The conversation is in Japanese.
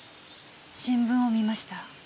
新聞を見ました。